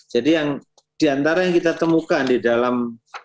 jadi di antara yang kita temukan di dalam